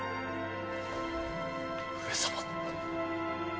上様！